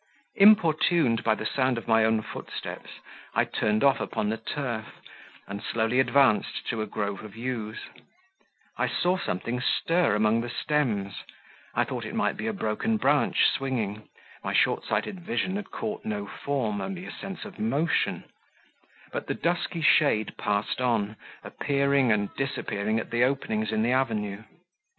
Importuned by the sound of my own footsteps, I turned off upon the turf, and slowly advanced to a grove of yews; I saw something stir among the stems; I thought it might be a broken branch swinging, my short sighted vision had caught no form, only a sense of motion; but the dusky shade passed on, appearing and disappearing at the openings in the avenue.